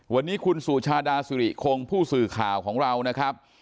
วันนี้คุณสุชาดาสุริคงผู้สื่อข่าวของเรานะครับ